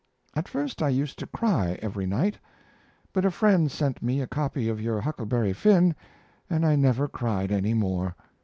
At first I used to cry every night, but a friend sent me a copy of your Huckleberry Finn and I never cried any more.